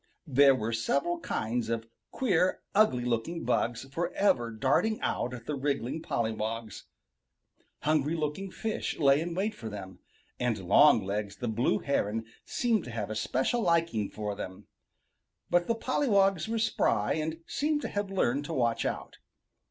There were several kinds of queer, ugly looking bugs forever darting out at the wriggling pollywogs. Hungry looking fish lay in wait for them, and Longlegs the Blue Heron seemed to have a special liking for them. But the pollywogs were spry, and seemed to have learned to watch out.